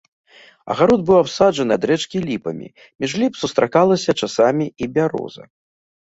Агарод быў абсаджаны ад рэчкі ліпамі, між ліп сустракалася часамі і бяроза.